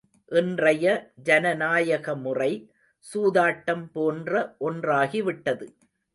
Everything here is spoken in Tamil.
இன்றைய ஜனநாயக முறை, சூதாட்டம் போன்ற ஒன்றாகி விட்டது.